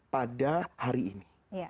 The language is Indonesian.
pada hari ini